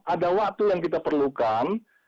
ada waktu yang kita perlukan